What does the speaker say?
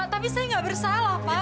pak tapi saya gak bersalah pak